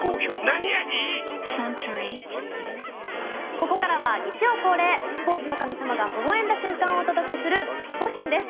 ここからは日曜恒例、スポーツの神様がほほ笑んだ瞬間をお届けするスポ神です。